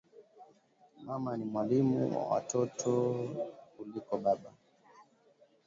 Mama ni mwalimu wa watoto kuliko baba